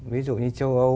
ví dụ như châu âu